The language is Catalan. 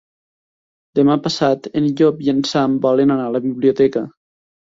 Demà passat en Llop i en Sam volen anar a la biblioteca.